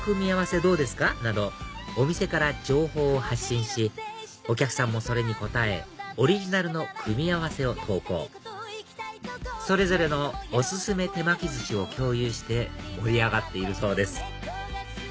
どうですか？などお店から情報を発信しお客さんもそれに応えオリジナルの組み合わせを投稿それぞれのお薦め手巻き寿司を共有して盛り上がっているそうです